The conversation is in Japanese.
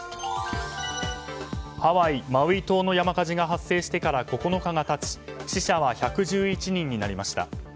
ハワイ・マウイ島の山火事が発生してから９日が経ち死者は１１１人になりました。